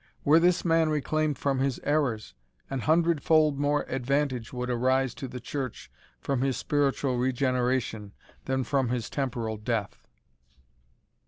Were this man reclaimed from his errors, an hundred fold more advantage would arise to the Church from his spiritual regeneration, than from his temporal death."